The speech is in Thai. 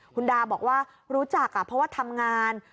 คุณดาบอกว่ารู้จักเพราะว่าทำงาน